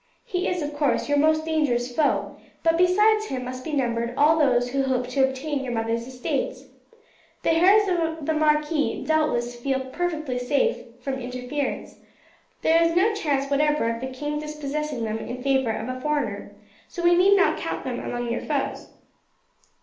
He is, of course, your most dangerous foe; but besides him must be numbered all those who hope to obtain your mother's estates. The heirs of the marquis doubtless feel perfectly safe from interference. There is no chance whatever of the king dispossessing them in favour of a foreigner, so we need not count them among your foes.